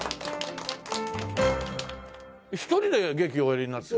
１人で劇をおやりになってる？